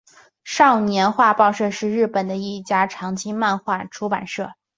少年画报社是日本的一家长青漫画出版社。